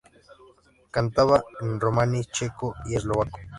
Cantaba en romaní, checo y eslovaco.